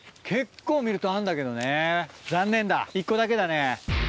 結構見るとあるんだけどね残念だ１個だけだね。